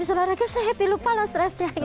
olahraga se happy lupa lah stressnya gitu